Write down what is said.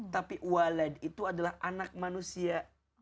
tapi walad itu adalah anak manusia